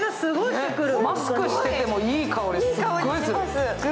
マスクしててもいい香り、すっごいする。